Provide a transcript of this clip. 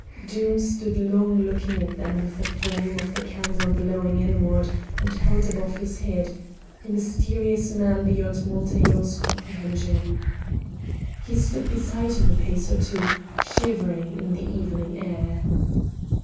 Doom stood long looking at them with the flame of the candle blowing inward and held above his head a mysterious man beyond Montaiglon's comprehension. He stood behind him a pace or two, shivering in the evening air.